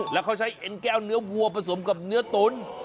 แล้วเขาใช้เอ็นแก้วเนื้อวัวผสมกับเนื้อตุ๋น